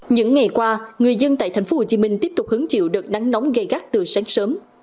những ngày qua người dân tại thành phố hồ chí minh tiếp tục hứng chịu đợt nắng nóng gây gắt từ sáng sớm